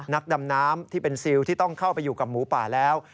นักดำน้ำที่เป็นซิลที่ต้องเข้าไปอยู่กับหมูป่าแล้ว